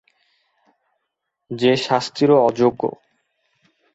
সে শাস্তিরও অযােগ্য।